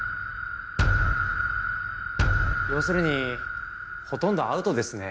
要するにほとんどアウトですね。